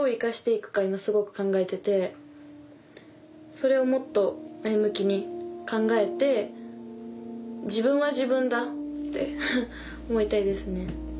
それをもっと前向きに考えて自分は自分だって思いたいですね。